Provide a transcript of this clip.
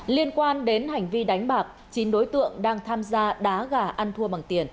liên quan đến hành vi đánh bạc chín đối tượng đang tham gia đá gà ăn thua bằng tiền